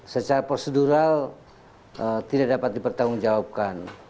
secara prosedural tidak dapat dipertanggungjawabkan